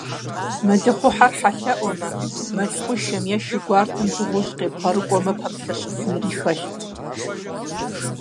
Мэлыхъуэхьэр хьэлъэӏуэмэ, мэл хъушэм е шы гуартэм дыгъужь къебгъэрыкӀуэм, пэмылъэщыфынри хэлът.